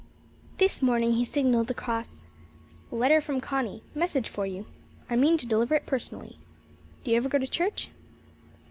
This morning he signalled across: "Letter from Connie. Message for you. I mean to deliver it personally. Do you ever go to church?"